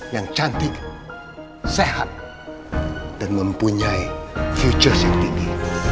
yang cantik sehat dan mempunyai futures yang tinggi